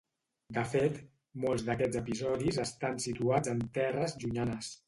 De fet, molts d'aquests episodis estan situats en terres llunyanes.